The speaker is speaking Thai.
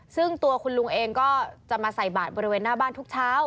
ซึ่งตัวคุณลุงเองก็จะมาใส่บาทบริเวณหน้าบ้านทุกเช้า